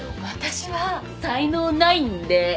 私は才能ないんで。